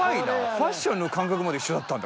ファッションの感覚まで一緒だったんだ